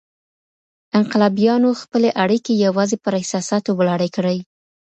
انقلابيانو خپلي اړيکې يوازي پر احساساتو ولاړې کړې.